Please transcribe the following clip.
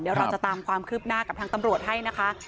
เดี๋ยวเราจะตามความคืบหน้ากับทางตำรวจให้นะคะ